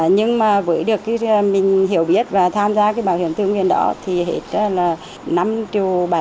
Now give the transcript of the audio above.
nhưng mà với được mình hiểu biết và tham gia cái bảo hiểm tư nguyên đó thì hết là năm triệu bảy